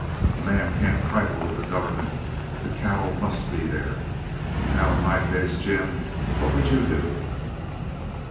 A man can't trifle with the government the cattle must be there. Now in my case, Jim, what would you do?"